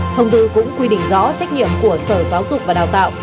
thông tư cũng quy định rõ trách nhiệm của sở giáo dục và đào tạo